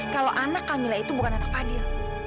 kalau anak kamila itu bukan anak adil